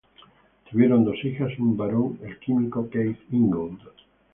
Tuvieron dos hijas y un varón, el químico Keith Ingold.